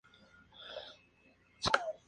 Fundó la Future in Space Foundation.